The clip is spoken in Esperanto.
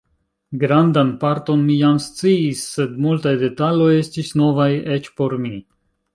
Grandan parton mi jam sciis, sed multaj detaloj estis novaj eĉ por mi.